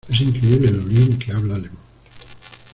Es increíble lo bien que habla alemán.